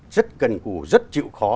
rất cần củ rất chịu khó